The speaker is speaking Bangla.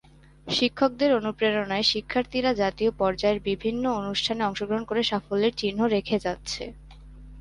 শিক্ষকদের অনুপ্রেরণায় শিক্ষার্থীরা জাতীয় পর্যায়ের বিভিন্ন অনুষ্ঠানে অংশগ্রহণ করে সাফল্যের চিহ্ন রেখে যাচ্ছে।